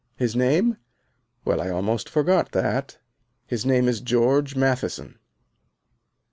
His name? Well, I almost forgot that. His name is George Matheson.